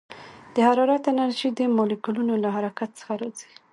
د حرارت انرژي د مالیکولونو له حرکت څخه راځي.